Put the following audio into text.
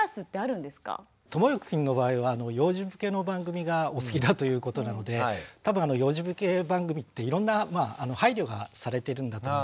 ともゆきくんの場合は幼児向けの番組がお好きだということなので多分幼児向け番組っていろんな配慮がされているんだと思うんですよね。